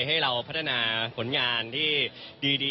ให้เราพัฒนาผลงานที่ดี